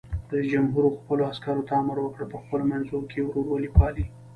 رئیس جمهور خپلو عسکرو ته امر وکړ؛ په خپلو منځو کې ورورولي پالئ!